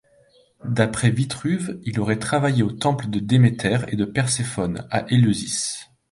D’après Vitruve, il aurait travaillé au temple de Déméter et de Perséphone, à Éleusis.